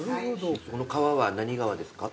この川は何川ですか？